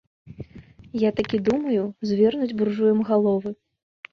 Я такі думаю, звернуць буржуям галовы!